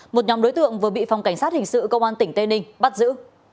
một nhóm đối tượng vừa bị phòng cảnh sát hình sự công an tỉnh tây ninh bắt giữ